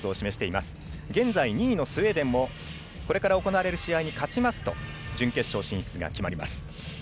現在２位のスウェーデンもこれから行われる試合に勝ちますと準決勝進出が決まります。